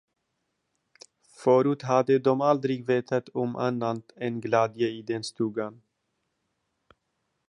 Förut hade de aldrig vetat om annat än glädje i den stugan.